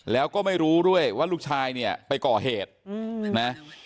แล้วก็ไม่รู้ด้วยว่าลูกชายเนี่ยไปก่อเหตุนะ